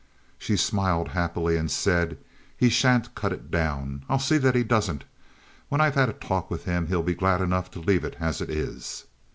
She smiled happily and said: "He shan't cut it down. I'll see that he doesn't. When I've had a talk with him, he'll be glad enough to leave it as it is."